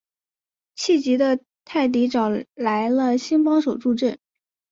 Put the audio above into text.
气急的泰迪找来了新帮手助阵。